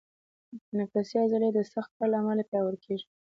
تنفسي عضلې د سخت کار له امله پیاوړي کېږي.